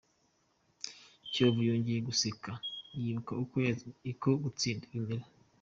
Kiyovu yongeye guseka, yibuka uko gutsinda bimera.